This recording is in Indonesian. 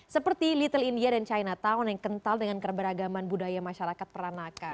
seperti little india dan chinatown yang kental dengan keberagaman budaya masyarakat peranakan